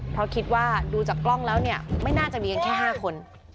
เพราะคิดว่าดูจากกล้องแล้วเนี่ยไม่น่าจะมีกันแค่๕คน